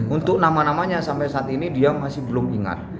untuk nama namanya sampai saat ini dia masih belum ingat